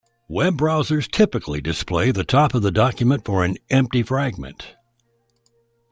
Web browsers typically display the top of the document for an empty fragment.